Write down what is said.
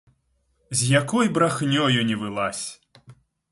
З якой брахнёю не вылазь!